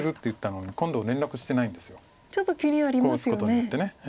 こう打つことによって。